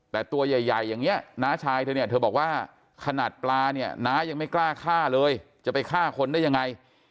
แต่ตัวใหญ่อย่างนี้น้าชายเธอเนี่ยเธอบอกว่าขนาดปลาเนี่ยน้ายังไม่กล้าฆ่าเลยจะไปฆ่าคนได้ยังไง